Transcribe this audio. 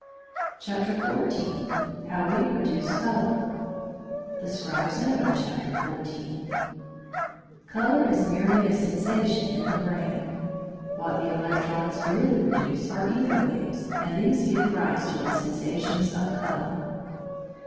CHAPTER XIV HOW WE PRODUCE COLOUR THE SCRIBE'S NOTE ON CHAPTER FOURTEEN Colour is merely a sensation in the brain. What the electrons really produce are æther waves, and these give rise to the sensations of colour.